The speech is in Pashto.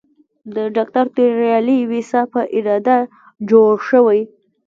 د ډاکټر توریالي ویسا په اراده جوړ شوی.